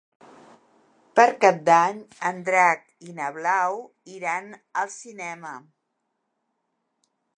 Per Cap d'Any en Drac i na Blau iran al cinema.